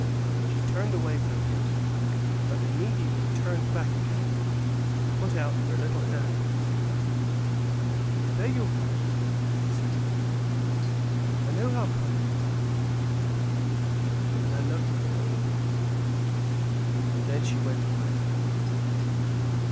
She turned away from him; but immediately turned back again, and put out her little hand to him. "I beg your pardon," she said. "I know how kind you are, and I love you for it." And then she went away.